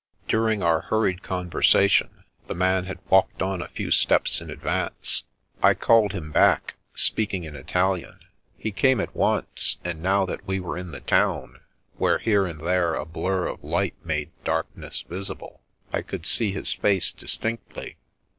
During our hurried conversation, the man had walked on a few steps in advance. I called him 196 The Princess Passes back, speaking in Italian. He came at once, and now that we were in the town, where here and there a blur of light made darkness visible, I could see his face distinctly.